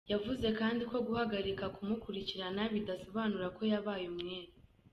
Yavuze kandi ko guhagarika kumukurikirana bidasobanura ko yabaye umwere.